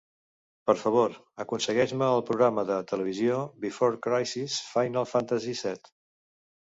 Per favor, aconsegueix-me el programa de televisió "Before Crisis: Final Fantasy VII".